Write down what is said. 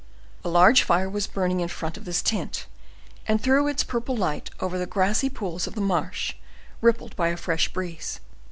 A large fire was burning in front of this tent, and threw its purple light over the grassy pools of the marsh, rippled by a fresh breeze.